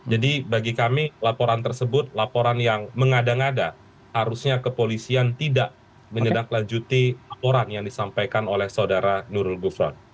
jadi bagi kami laporan tersebut laporan yang mengada ngada harusnya kepolisian tidak menedaklanjuti laporan yang disampaikan oleh saudara nurul gufron